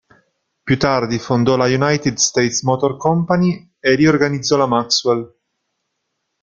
Più tardi fondò la United States Motor Company e riorganizzò la Maxwell.